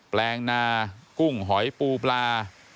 แปลงนากุ้งหอยปูปลา